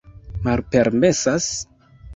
Malpermesas?